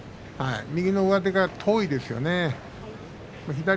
右の上手が遠いですよね。